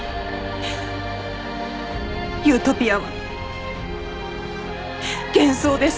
ユートピアは幻想です。